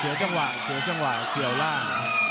เสียจังหวะเสียจังหวะเสียล่าง